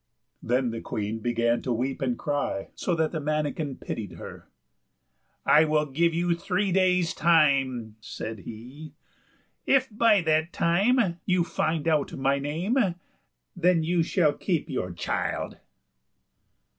Then the Queen began to weep and cry, so that the manikin pitied her. "I will give you three days' time," said he, "if by that time you find out my name, then shall you keep your child."